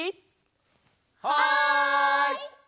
はい！